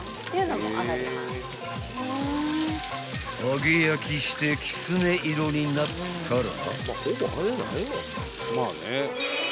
［揚げ焼きしてキツネ色になったら］